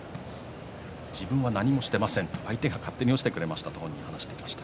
自分は何もしていませんと相手が勝手に落ちてくれましたと言っていました。